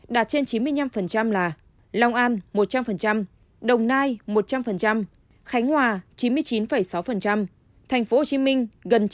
đạt trên chín mươi năm là long an một trăm linh đồng nai một trăm linh khánh hòa chín mươi chín sáu thành phố hồ chí minh gần chín mươi chín